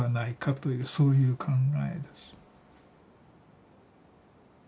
というそういう考えです。